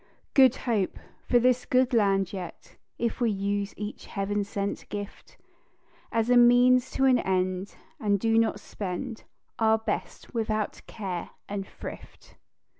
"Good Hope" for this good land yet, If we use each heav'n sent gift As means to an end, and do not spend Our best without care and thrift.